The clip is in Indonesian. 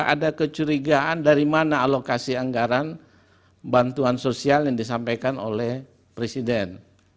ada kecurigaan dari mana alokasi anggaran bantuan sosial yang disampaikan oleh presiden